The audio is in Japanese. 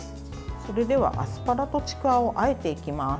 それでは、アスパラとちくわをあえていきます。